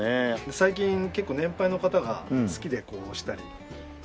最近結構年配の方が好きでこう押したりするので。